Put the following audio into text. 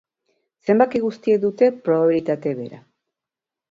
Zenbaki guztiek dute probabilitate bera.